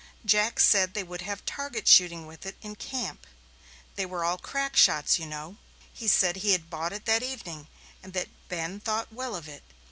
Jack said they would have target shooting with it in camp. They were all crack shots, you know. He said he had bought it that evening, and that Ben thought well of it.